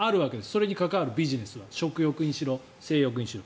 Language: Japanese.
それに関わるビジネスは食欲にしろ性欲にしろ。